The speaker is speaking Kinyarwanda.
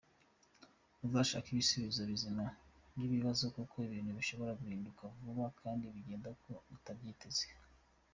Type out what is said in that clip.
Muzashake ibisubizo bizima by’ibibazo kuko ibintu bishobora guhinduka vuba kandi bikagenda uko mutabyiteze.